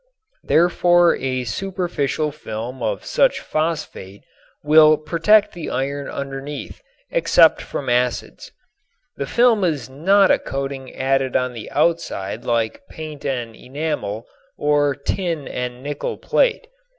Therefore a superficial film of such phosphate will protect the iron underneath except from acids. This film is not a coating added on the outside like paint and enamel or tin and nickel plate.